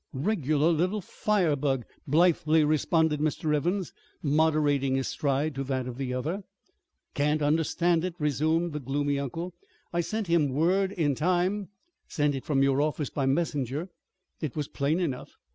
"Regular little fire bug," blithely responded Mr. Evans, moderating his stride to that of the other. "Can't understand it," resumed the gloomy uncle. "I sent him word in time; sent it from your office by messenger. It was plain enough.